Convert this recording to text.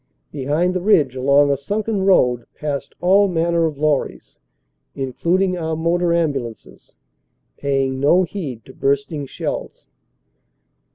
Behind the ridge, along a sunken road, passed all manner of lorries, including our motor ambulances, paying no heed to bursting shells.